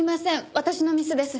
私のミスです。